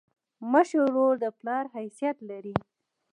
مشر ورور د پلار حیثیت لري.